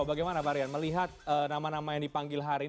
bagaimana pak rian melihat nama nama yang dipanggil hari ini